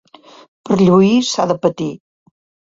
Per lluir s'ha de patir.